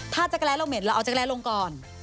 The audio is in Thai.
ถ้าจักรแร้เราเหม็นเราเอาจักรแร้ลงก่อน